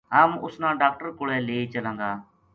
ہم اس نا ڈاکٹر کولے لے چلاں گا“